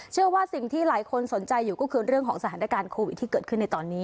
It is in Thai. เชื่อว่าสิ่งที่หลายคนสนใจอยู่ก็คือเรื่องของสถานการณ์โควิดที่เกิดขึ้นในตอนนี้